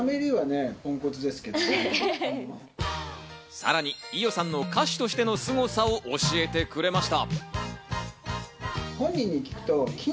さらに伊代さんの歌手としてのすごさを教えてくれました。